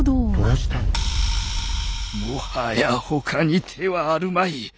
もはや他に手はあるまい！